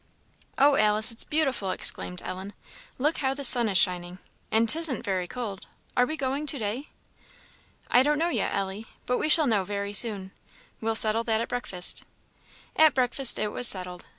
"Oh, Alice, it's beautiful!" exclaimed Ellen; "look how the sun is shining! and 'tisn't very cold. Are we going to day?" "I don't know yet, Ellie, but we shall know very soon. We'll settle that at breakfast." At breakfast it was settled.